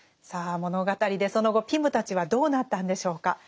さあ物語でその後ピムたちはどうなったんでしょうか。